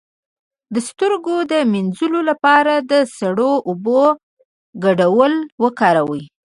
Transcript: د سترګو د مینځلو لپاره د سړو اوبو ګډول وکاروئ